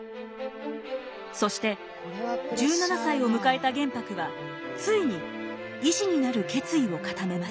そして１７歳を迎えた玄白はついに医師になる決意を固めます。